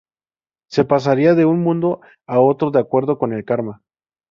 Se pasaría de un mundo a otro de acuerdo con el karma.